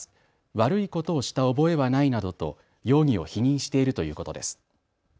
悪いことをした覚えはないなどと容疑を否認しているということです。